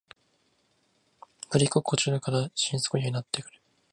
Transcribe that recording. ぶりっ子口調だから心底嫌になっている